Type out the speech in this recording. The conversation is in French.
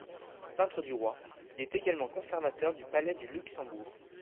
Peintre du roi, il est également conservateur du Palais du Luxembourg.